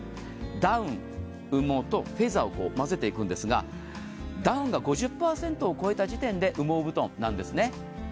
ダウン、羽毛とフェザーを混ぜていくんですがダウンが５０％を超えた時点で羽毛布団なんですね。